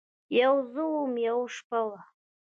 یوه زه وم ، یوه شپه وه